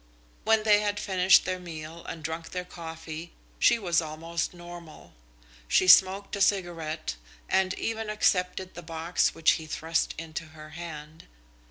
When they had finished their meal and drunk their coffee, she was almost normal. She smoked a cigarette and even accepted the box which he thrust into her hand.